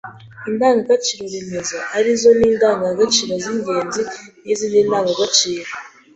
indangagaciro remezo ari zo ndangagaciro z’ingenzi n’izindi ndangagaciro